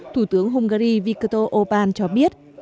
thủ tướng hungary viktor orbán cho biết